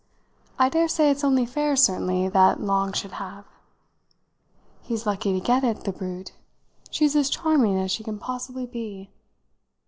I dare say it's only fair, certainly, that Long should have." "He's lucky to get it, the brute! She's as charming as she can possibly be."